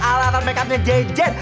alatan makeupnya jejen